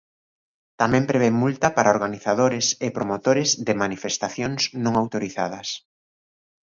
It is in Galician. Tamén prevé multa para organizadores e promotores de manifestacións non autorizadas.